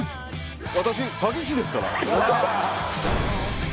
私詐欺師ですから。